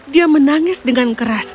dia menangis dengan keras